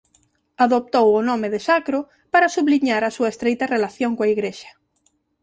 Adoptou o nome de Sacro para subliñar a súa estreita relación coa Igrexa.